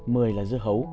mười là dưa hấu